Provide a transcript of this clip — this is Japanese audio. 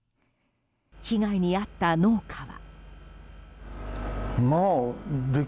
被害に遭った農家は。